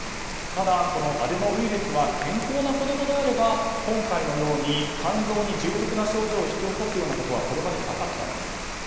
ただ、アデノウイルスは健康な子供であれば今回のように肝臓に重篤な症状を引き起こすようなことはこれまでなかったんです。